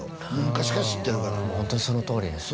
昔から知ってるからホントにそのとおりですね